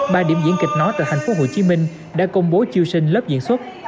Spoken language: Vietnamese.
ba điểm diễn kịch nói tại thành phố hồ chí minh đã công bố chiêu sinh lớp diễn xuất